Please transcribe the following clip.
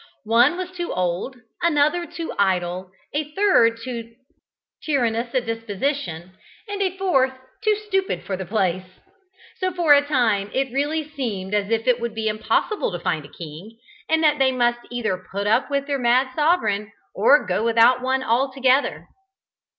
One was too old, another too idle, a third of too tyrannous a disposition, and a fourth too stupid for the place. So for a time it really seemed as if it would be impossible to find a king, and that they must either put up with their mad sovereign or go without one altogether.